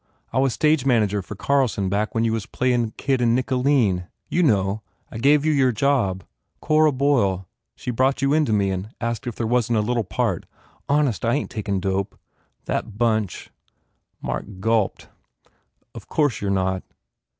I was stage manager for Carlson back when you was playin the kid in Nicoline. You know. I gave you your job. Cora Boyle she brought you in 7 6 FULL BLOOM to me and asked if there wasn t a little part Honest, I ain t takin dope. That bunch " Mark gulped, "Of course you re not."